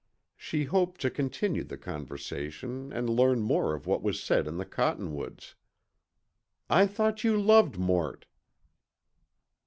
She hoped to continue the conversation and learn more of what was said in the cottonwoods. "I thought you loved Mort."